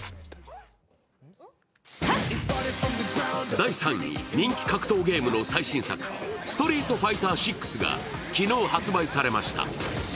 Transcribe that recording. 第３位、人気格闘ゲームの最新作「ストリートファイター６」が昨日発売されました。